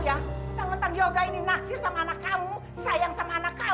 yoga ini nakjir sama anak kamu sayang sama anak kamu kamu jadi tak kabur ngecah ngecah kamu